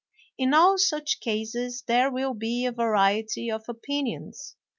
In all such cases there will be a variety of opinions.